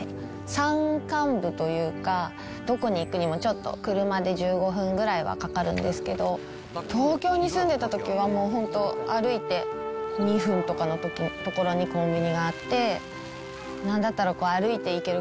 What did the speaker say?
山間部というか、どこに行くにもちょっと車で１５分ぐらいはかかるんですけど、東京に住んでたときは、もう本当、歩いて２分とかの所にコンビニがあって、なんだったら歩いて行ける